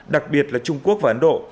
đặc biệt là trung quốc và ấn độ